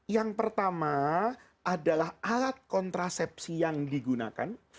yang pertama adalah alat kontrasepsi yang digunakan